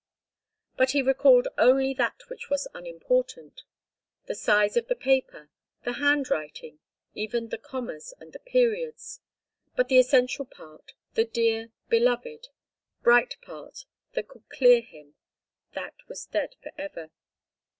But he recalled only that which was unimportant—the size of the paper, the hand writing, even the commas and the periods, but the essential part, the dear, beloved, bright part that could clear him—that was dead forever.